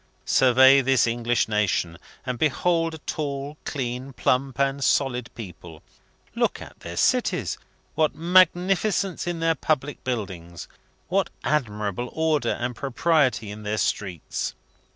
Survey this English nation, and behold a tall, clean, plump, and solid people! Look at their cities! What magnificence in their public buildings! What admirable order and propriety in their streets!